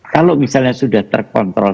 kalau misalnya sudah terkontrol